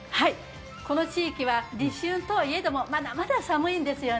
この地域は立春とはいえ、まだまだ寒いんですよね。